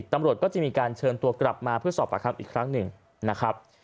ตำรวจก็จะมีการเชิญตัวกลับมาเพื่อสอบประคำอีกครั้งหนึ่งนะครับ